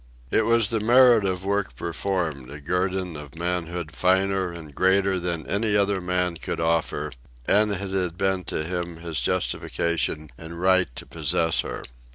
It was the merit of work performed, a guerdon of manhood finer and greater than any other man could offer, and it had been to him his justification and right to possess her.